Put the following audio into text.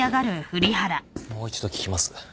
もう一度聞きます。